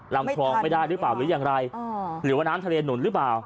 ลำคลองไม่ได้หรือเปล่าหรือยังไรหรือว่าน้ำทะเลหนุนหรือเปล่า